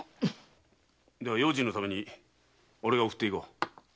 では用心のために俺が送っていこう。